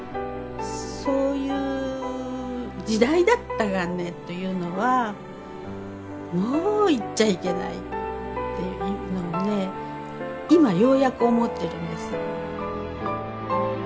「そういう時代だったがね」というのはもう言っちゃいけないっていうので今ようやく思ってるんですよ。